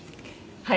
はい。